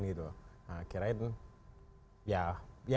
tapi di publikasikan ke publik bareng sama presiden